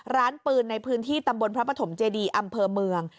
ร้านปืนในพื้นที่ตำบลพระปฐมเจดีอำเภอเมือง